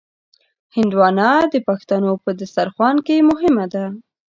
هندوانه د پښتنو په دسترخوان کې مهمه ده.